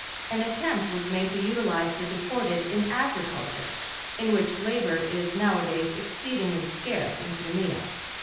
An attempt was made to utilise the deported in agriculture, in which labour is nowadays exceedingly scarce in Crimea.